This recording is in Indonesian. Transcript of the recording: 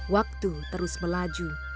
waktu terus melaju